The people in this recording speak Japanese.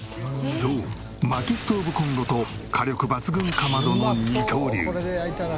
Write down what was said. そう薪ストーブコンロと火力抜群かまどの二刀流。